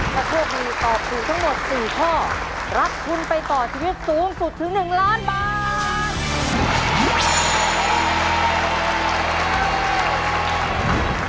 ถ้าโชคดีตอบถูกทั้งหมด๔ข้อรับทุนไปต่อชีวิตสูงสุดถึง๑ล้านบาท